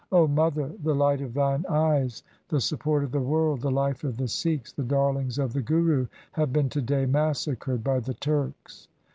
O mother, the light of thine eyes, the support of the world, the life of the Sikhs, the darlings of the Guru have been to day massacred by the Turks.'